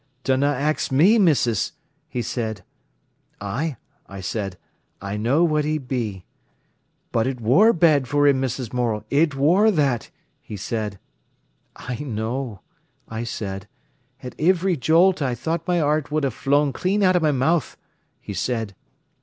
'Dunna ax me, missis!' he said. 'Ay,' I said, 'I know what he'd be.' 'But it wor bad for him, Mrs. Morel, it wor that!' he said. 'I know,' I said. 'At ivry jolt I thought my 'eart would ha' flown clean out o' my mouth,' he said.